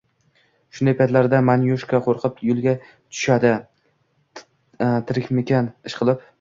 Shunday paytlari Manyushka qoʻrqib yigʻiga tushadi: tirikmikan, ishqilib?